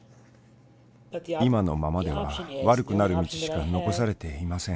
「今のままでは悪くなる道しか残されていません。